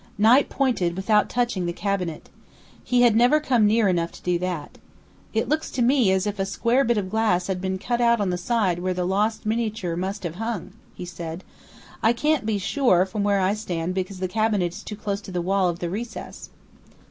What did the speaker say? Knight pointed, without touching the cabinet. He had never come near enough to do that. "It looks to me as if a square bit of glass had been cut out on the side where the lost miniature must have hung," he said. "I can't be sure, from where I stand, because the cabinet is too close to the wall of the recess."